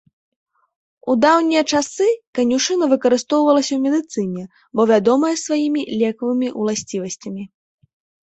У даўнія часы канюшына выкарыстоўвалася ў медыцыне, бо вядомая сваімі лекавымі ўласцівасцямі.